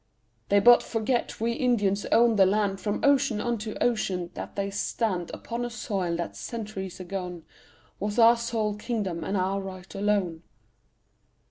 They but forget we Indians owned the land From ocean unto ocean; that they stand Upon a soil that centuries agone Was our sole kingdom and our right alone.